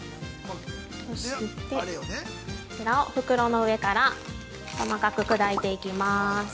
そして、こちらを袋の上から細かく砕いていきます。